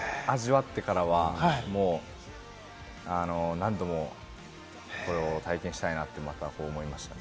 一度味わってからは、何度もこれを体験したいって思いました。